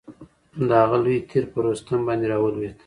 د هغه یو لوی تیر پر رستم باندي را ولوېد.